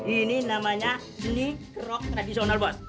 ini namanya seni rock tradisional bos